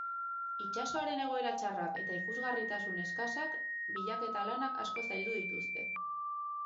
Itsasoaren egoera txarrak eta ikusgarritasun eskasak bilaketa lanak asko zaildu dituzte.